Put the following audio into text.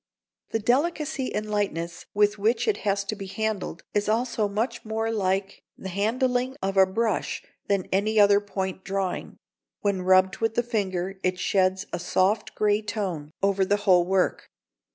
The delicacy and lightness with which it has to be handled is also much more like the handling of a brush than any other point drawing. When rubbed with the finger, it sheds a soft grey tone over the whole work.